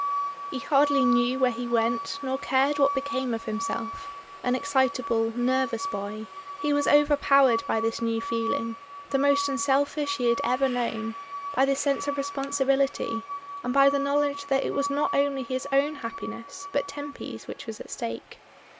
He hardly knew where he went nor cared what became of himself; an excitable, nervous boy, he was overpowered by this new feelings the most unselfish he had ever known, by this sense of responsibility, and by the knowledge that it was not only his own happiness but Temp/s which was at stake.